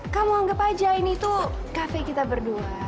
kamu anggap aja ini tuh kafe kita berdua